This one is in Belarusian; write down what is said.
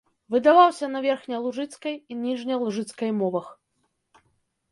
Выдаваўся на верхнялужыцкай і ніжнялужыцкай мовах.